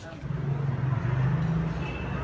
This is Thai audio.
กลุ่มทางสุมนุม